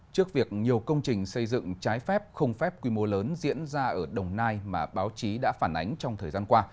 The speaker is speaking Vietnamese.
trước việc nhiều công trình xây dựng trái phép không phép quy mô lớn diễn ra ở đồng nai mà báo chí đã phản ánh trong thời gian qua